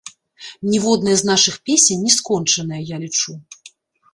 Ніводная з нашых песень не скончаная, я лічу.